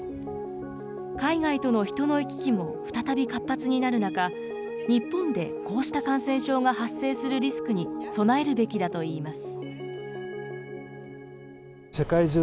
海外との人の行き来も再び活発になる中、日本でこうした感染症が発生するリスクに備えるべきだといいます。